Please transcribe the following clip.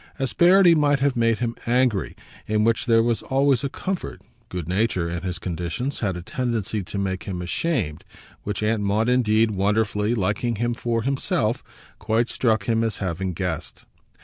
Asperity might have made him angry in which there was always a comfort; good nature, in his conditions, had a tendency to make him ashamed which Aunt Maud indeed, wonderfully, liking him for himself, quite struck him as having guessed.